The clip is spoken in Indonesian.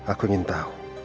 aku ingin tahu